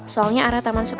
soalnya ada taman suara